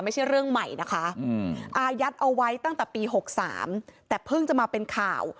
ไม่ใช่เรื่องใหม่นะคะอายัดเอาไว้ตั้งแต่ปี๖๓แต่เพิ่งจะมาเป็นข่าว